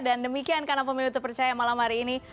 dan demikian kanal pemilu terpercaya malam hari ini